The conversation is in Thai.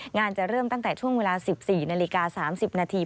จะเริ่มตั้งแต่ช่วงเวลา๑๔นาฬิกา๓๐นาที